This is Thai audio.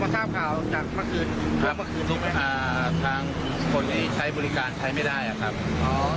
ครับทางคนไอ้ใช้บริการใช้ไม่ได้ครับ